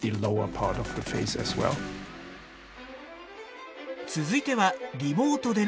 続いてはリモートでの対話。